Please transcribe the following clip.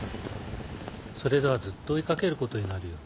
それではずっと追いかけることになるよ。